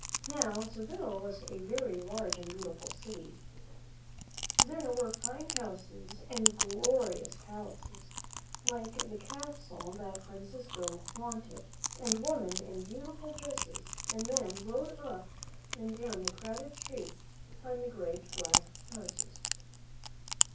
Now, Seville was a very large and beautiful city. iO} ':).:■^ THE MEN WHO FOUND AMERICA }Jis :^.~=^. There were fine houses and glorious palaces, like the castle that Francisco wanted, and women in beautiful dresses and men rode up and down the crowded streets on great black horses.